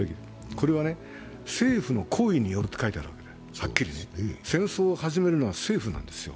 これは政府の行為によるとはっきり書いてある、戦争を始めるのは政府なんですよ。